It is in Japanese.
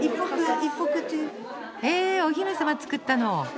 へえお姫様作ったの。